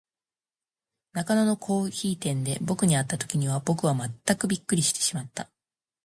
中野のコオヒイ店で、ぼくに会った時には、ぼくはまったくびっくりしてしまった。